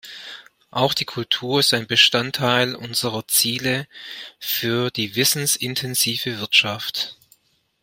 Auch die Kultur ist ein Bestandteil unsere Ziele für die wissensintensive Wirtschaft.